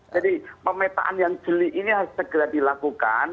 jadi pemetaan yang jeli ini harus segera dilakukan